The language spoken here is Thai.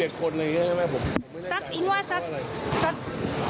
บวก๑๑คนอะไรอย่างนี้นะครับผม